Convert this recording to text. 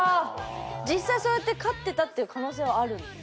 実際そうやって勝ってたっていう可能性はあるの？